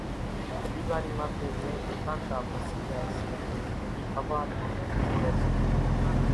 ۮيواري ماٿي زين ڦٽاڪا ڀسي زائي سيِ اِي ۿوار مان ڦوڙي سي